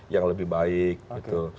yang lebih baik gitu